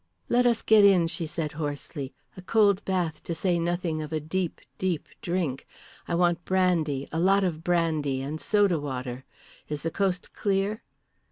"Let us get in," she said hoarsely. "A cold bath, to say nothing of a deep, deep drink. I want brandy, a lot of brandy, and soda water. Is the coast clear?"